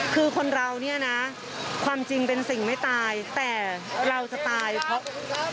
คือคนเราเนี่ยนะความจริงเป็นสิ่งไม่ตายแต่เราจะตายเพราะ